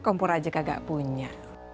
kompor aja kagak punya